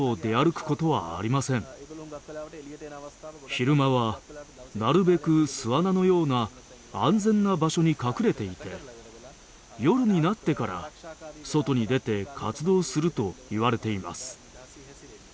昼間はなるべく巣穴のような安全な場所に隠れていて夜になってから外に出て活動すると言われています。